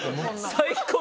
最高。